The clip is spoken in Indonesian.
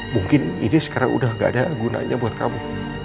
mungkin ini sekarang udah gak ada gunanya buat kamu